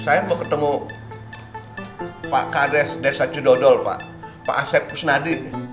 saya mau ketemu pak kades desa cudodol pak asep kusnadi